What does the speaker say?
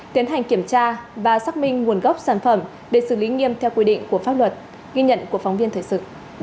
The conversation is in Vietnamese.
tiến hành kiểm tra và xác minh nguồn gốc sản phẩm để xử lý nghiêm theo quy định của pháp luật ghi nhận của phóng viên thời sự